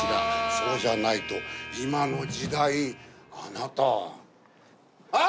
そうじゃないと今の時代あなた「アウト！